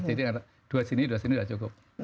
jadi dua sini dua sini sudah cukup